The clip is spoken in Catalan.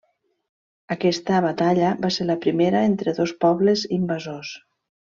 Aquesta batalla va ser la primera entre dos pobles invasors.